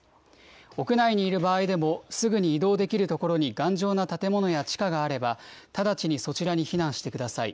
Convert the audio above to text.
屋内にいる場合でも、すぐに移動できる所に頑丈な建物や地下があれば、直ちにそちらに避難してください。